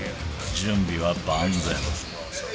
準備は万全。